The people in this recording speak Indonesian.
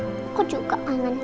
aku juga kangen